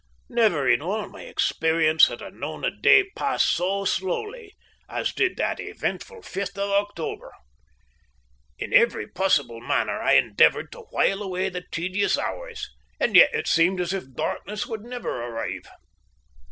Never in all my experience had I known a day pass so slowly as did that eventful 5th of October. In every possible manner I endeavoured to while away the tedious hours, and yet it seemed as if darkness would never arrive.